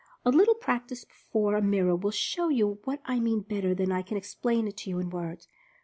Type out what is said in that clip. A little practice before a mirror will show you what I mean better than I can explain it to you in words.